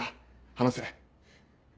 話せ。